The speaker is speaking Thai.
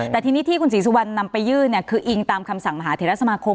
แต่ทีนี้ที่คุณศรีสุวรรณนำไปยื่นเนี่ยคืออิงตามคำสั่งมหาเทราสมาคม